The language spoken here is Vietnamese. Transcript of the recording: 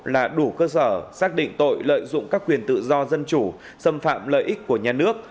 là đủ cơ sở xác định tội lợi dụng các quyền tự do dân chủ xâm phạm lợi ích của nhà nước